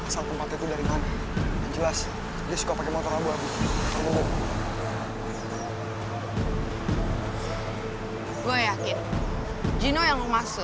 sampai jumpa di video selanjutnya